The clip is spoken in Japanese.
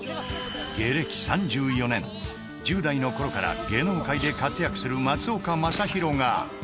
１０代の頃から芸能界で活躍する松岡昌宏が。